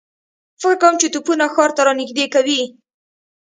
فکر کوم چې توپونه ښار ته را نږدې کوي.